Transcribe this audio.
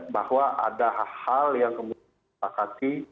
bahwa ada hal hal yang kemudian disepakati